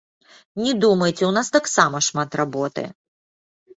Не думайце, у нас таксама шмат работы.